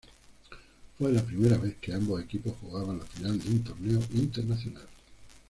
Fue la primera vez que ambos equipos jugaban la final de un torneo internacional.